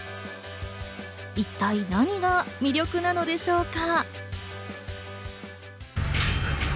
一体、何が魅力なのでしょうか？